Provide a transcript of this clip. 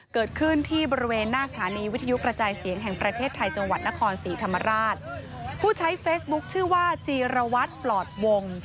เกิดขึ้นที่บริเวณหน้าสถานีวิทยุกระจายเสียงแห่งประเทศไทยจังหวัดนครศรีธรรมราชผู้ใช้เฟซบุ๊คชื่อว่าจีรวัตรปลอดวง